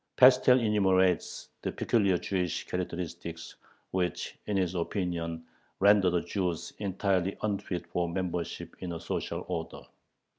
Pestel enumerates the peculiar Jewish characteristics which, in his opinion, render the Jews entirely unfit for membership in a social order.